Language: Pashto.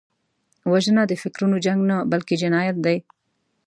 وژنه د فکرونو جنګ نه، بلکې جنایت دی